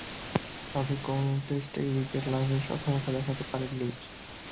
তবে, কোন টেস্টেই উইকেট লাভে সক্ষমতা দেখাতে পারেননি।